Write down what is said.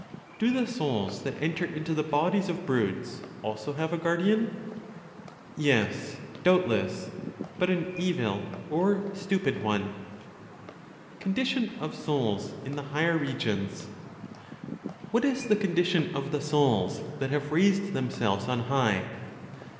Do the souls that enter into the bodies of brutes also have a guardian? Yes, doubtless, but an evil or stupid one. CONDITION OF SOULS IN THE HIGHER REGIONS. What is the condition of the souls that have raised themselves on high?